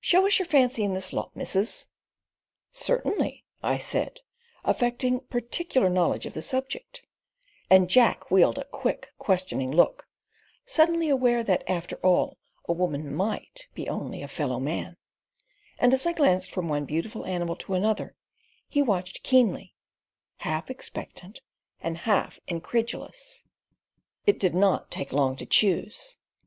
"Show us your fancy in this lot, missus." "Certainly," I said, affecting particular knowledge of the subject, and Jack wheeled with a quick, questioning look, suddenly aware that, after all, a woman MIGHT be only a fellow man; and as I glanced from one beautiful animal to another he watched keenly, half expectant and half incredulous. It did not take long to choose.